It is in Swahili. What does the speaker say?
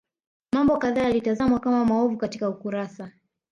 Mambo kadhaa yalitazamwa kama maovu katika ukurasa